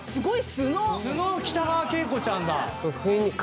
素の北川景子ちゃんだ。